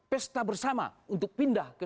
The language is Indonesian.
pesta bersama untuk pindah ke